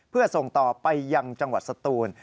เพื่อส่งต่อไปยังจังหวัดสตูน